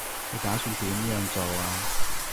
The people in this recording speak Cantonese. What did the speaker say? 你打算點樣做啊